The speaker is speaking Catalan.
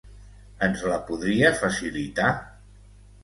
Ens la podria facilitar?